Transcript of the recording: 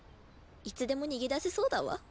いつでも逃げ出せそうだわ。